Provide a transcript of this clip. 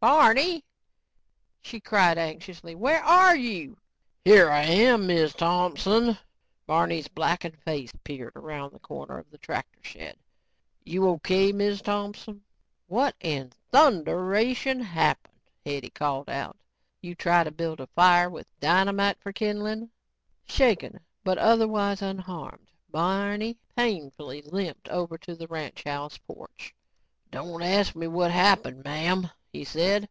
"Barney," she cried anxiously, "where are you?" "Here I am, Miz Thompson." Barney's blackened face peered around the corner of the tractor shed. "You O.K., Miz Thompson?" "What in thunderation happened?" Hetty called out. "You try to build a fire with dynamite for kindling?" Shaken but otherwise unharmed, Barney painfully limped over to the ranch house porch. "Don't ask me what happened, m'am," he said.